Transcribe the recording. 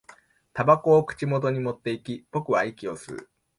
煙草を口元に持っていき、僕は息を吸う